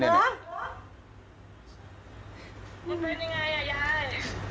มันเป็นยังไงอ่ะยาย